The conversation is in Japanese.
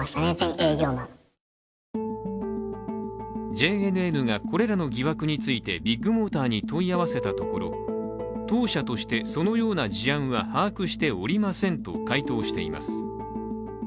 ＪＮＮがこれらの疑惑についてビッグモーターに問い合わせたところ、当社としてそのような事案は把握しておりませんと回答しています。